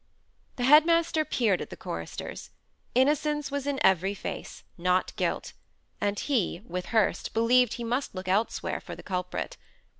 The head master peered at the choristers. Innocence was in every face not guilt; and he, with Hurst, believed he must look elsewhere for the culprit.